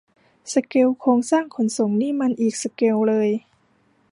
สเกลโครงสร้างขนส่งนี่มันอีกสเกลเลย